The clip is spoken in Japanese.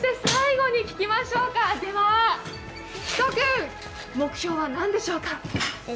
最後に聞きましょうか、仙君目標は何でしょうか？